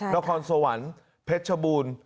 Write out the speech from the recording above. นครสวรรค์เพชรชบูรณ์